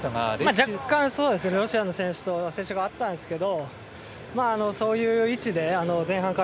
若干、そうですねロシアの選手と接触があったんですけどそういう位置で前半から